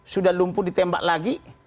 sudah lumpuh ditembak lagi